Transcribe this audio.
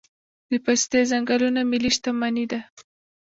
د پستې ځنګلونه ملي شتمني ده؟